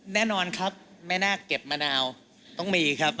แน่นอนครับแม่นาคเก็บมะนาวต้องมีครับ